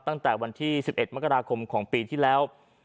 ตั้งแต่วันที่๑๑มกราคมของปีที่แล้ว